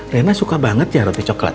rena suka banget ya roti coklat